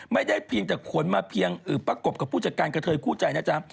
เพียงแต่ขนมาเพียงประกบกับผู้จัดการกระเทยคู่ใจนะจ๊ะ